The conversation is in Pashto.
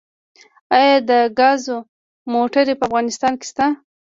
آیا د ګازو موټرې په افغانستان کې شته؟